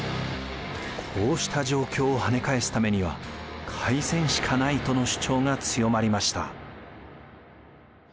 こうした状況をはね返すためには開戦しかないとの主張が強まりました。